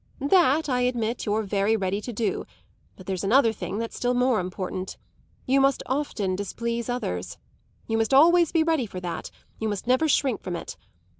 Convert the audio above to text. That, I admit, you're very ready to do; but there's another thing that's still more important you must often displease others. You must always be ready for that you must never shrink from it.